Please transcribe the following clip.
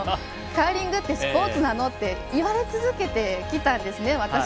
カーリングってスポーツなの？と言われ続けてきたんですね